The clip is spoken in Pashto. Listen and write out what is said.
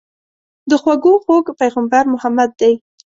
د خوږو خوږ پيغمبر محمد دي.